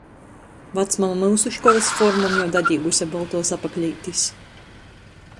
Vacmama myusu školys formom jau dadīguse boltuos apakleitis.